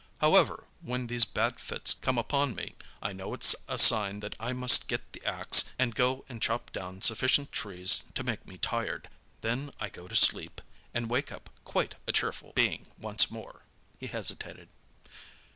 However, when these bad fits come upon me I know it's a sign that I must get the axe and go and chop down sufficient trees to make me tired. Then I go to sleep, and wake up quite a cheerful being once more!" He hesitated.